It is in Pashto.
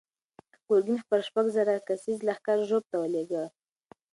ګورګین خپل شپږ زره کسیز لښکر ژوب ته ولېږه.